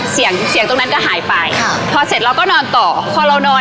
เสียงเสียงตรงนั้นก็หายไปค่ะพอเสร็จเราก็นอนต่อพอเรานอน